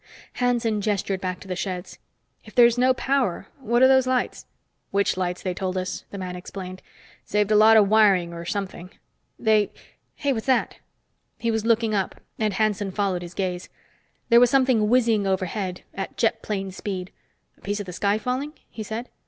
Hanson gestured back to the sheds. "If there's no power, what are those lights?" "Witch lights, they told us," the man explained. "Saved a lot of wiring, or something. They hey, what's that?" He was looking up, and Hanson followed his gaze. There was something whizzing overhead at jet plane speed. "A piece of the sky falling?" he said.